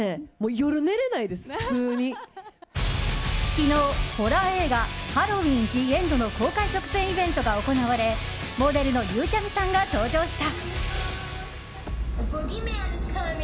昨日、ホラー映画「ハロウィンＴＨＥＥＮＤ」の公開直前イベントが行われモデルのゆうちゃみさんが登場した。